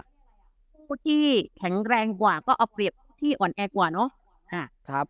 พวกที่แข็งแรงกว่าก็เอาเปรียบพวกที่อ่อนแอกกว่าเนอะอ่ะครับ